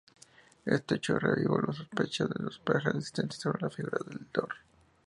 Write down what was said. Este hecho reavivó las sospechas de dopaje existentes sobre la figura del Dr.